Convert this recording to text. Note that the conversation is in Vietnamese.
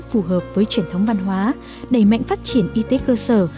phù hợp với truyền thống văn hóa đẩy mạnh phát triển y tế cơ sở